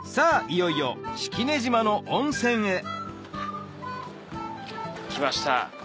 いよいよ式根島の温泉へ来ました